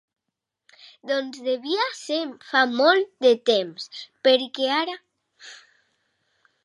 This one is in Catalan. Doncs devia ser fa molt de temps, perquè ara...